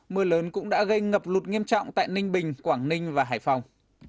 mưa lớn cũng đã gây ngập lụt nghiêm trọng tại ninh bình quảng ninh và hải phòng